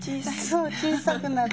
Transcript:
そう小さくなる。